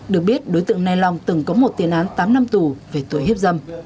được biết đối tượng nay long từng có một tiền án tám năm tù về tuổi hiếp dâm